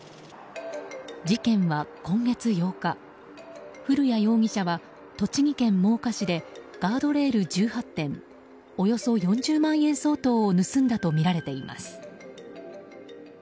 事件は今月８日古谷容疑者は、栃木県真岡市でガードレール１８点およそ４０万円相当を盗んだとみられています。